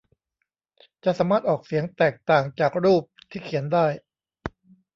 จะสามารถออกเสียงแตกต่างจากรูปที่เขียนได้